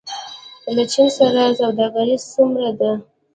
له چین سره سوداګري څومره ده؟